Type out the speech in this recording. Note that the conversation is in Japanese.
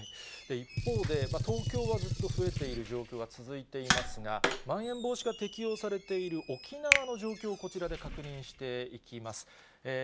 一方で、東京はずっと増えている状況が続いていますが、まん延防止が適用されている沖縄の状況をこちらで確認していきます。